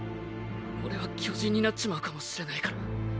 オレは巨人になっちまうかもしれないから。